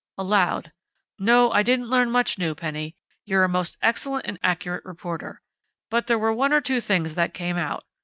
Aloud: "No, I didn't learn much new, Penny. You're a most excellent and accurate reporter.... But there were one or two things that came out.